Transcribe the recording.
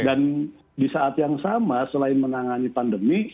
dan di saat yang sama selain menangani pandemi